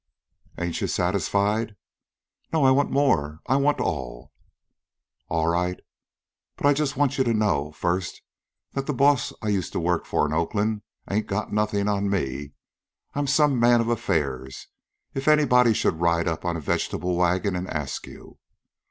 "Ain't you satisfied?" "No. I want more. I want all." "All right. But I just want you to know, first, that the boss I used to work for in Oakland ain't got nothin' on me. I 'm some man of affairs, if anybody should ride up on a vegetable wagon an' ask you.